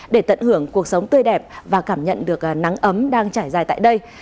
để tận hưởng cuộc sống tươi đẹp và cảm nhận được nắng ấm đang trải dài tại đây